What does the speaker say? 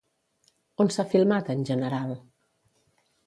On s'ha filmat, en general?